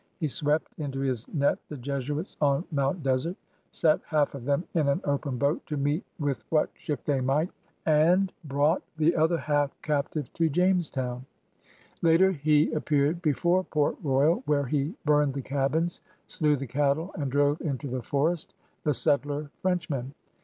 He swept into his net the Jesuits on Mount Desert, set half of them in an open boat to meet with what ship they might, and 88 PIONEERS OP THE OLD SOUTH brought the other half captive to Jamestown. Later, he appeared before Port Royal, where he burned the cabins, slew the cattle, and drove into the forest the settler Frenchmen.